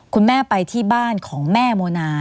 คุณแม่ไปที่บ้านของแม่โมนา